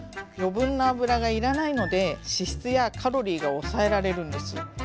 余分な油が要らないので脂質やカロリーが抑えられるんです。